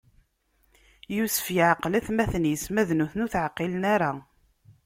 Yusef iɛqel atmaten-is, ma d nutni ur t-ɛqilen ara.